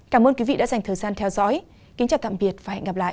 cảm ơn quý vị đã dành thời gian theo dõi kính chào tạm biệt và hẹn gặp lại